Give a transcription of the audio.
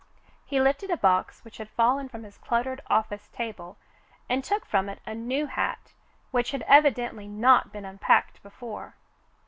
He lifted a box which had fallen from his cluttered office table, and took from it a new hat which had evidently not been unpacked before.